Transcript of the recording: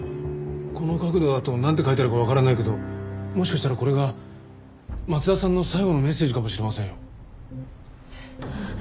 この角度だとなんて書いてあるかわからないけどもしかしたらこれが松田さんの最期のメッセージかもしれませんよ。